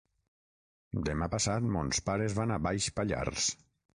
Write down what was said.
Demà passat mons pares van a Baix Pallars.